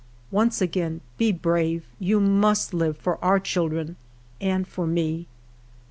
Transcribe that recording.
" Once again, be brave ; you must live for our children and for me."